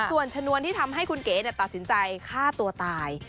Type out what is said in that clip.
ส่วนชนวนที่ทำให้คุณเก๋ตัดสินใจฆ่าตัวตาย